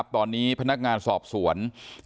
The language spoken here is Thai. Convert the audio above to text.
ตอนนี้พนักงานสอบสวน